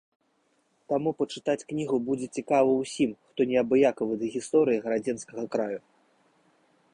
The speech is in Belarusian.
Таму пачытаць кнігу будзе цікава ўсім, хто неабыякавы да гісторыі гарадзенскага краю.